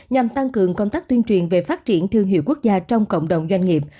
nhằm tăng cường công tác tuyên truyền về phát triển thương hiệu quốc gia trong cộng đồng doanh nghiệp